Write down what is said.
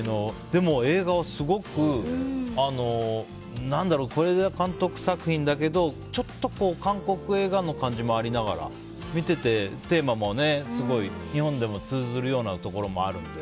でも、映画はすごく是枝監督作品だけど、ちょっと韓国映画の感じもありながら見ていて、テーマもすごい日本でも通じるようなところもあるので。